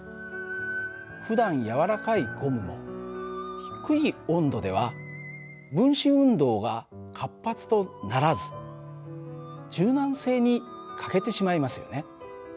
ふだん軟らかいゴムも低い温度では分子運動が活発とならず柔軟性に欠けてしまいますよね。